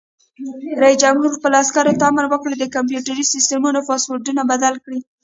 رئیس جمهور خپلو عسکرو ته امر وکړ؛ د کمپیوټري سیسټمونو پاسورډونه بدل کړئ!